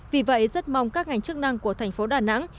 vì vậy rất mong các ngành chức năng của thành phố đà nẵng